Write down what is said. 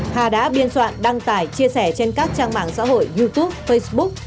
hà đã biên soạn đăng tải chia sẻ trên các trang mạng xã hội youtube facebook